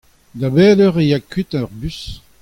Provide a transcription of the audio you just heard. Da bet eur ez a kuit ar bus ?